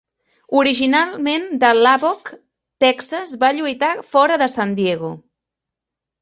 Originalment de Lubbock, Texas, va lluitar fora de San Diego.